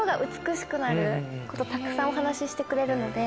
ことたくさんお話ししてくれるので。